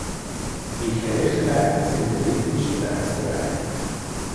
Die Kelchblätter sind elliptisch und ausgebreitet.